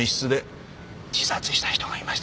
自殺した人がいましてね。